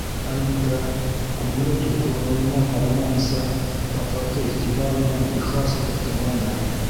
Айбикә, күңеле тулҡынланыуына ҡарамайынса, докладты иғтибар менән ихлас итеп тыңланы.